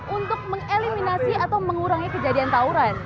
untuk mengeliminasi atau mengurangi kejadian tawuran